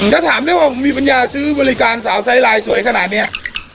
ถ้าถามได้ว่ามีปัญญาซื้อบริการสาวไซส์ลายสวยขนาดนี้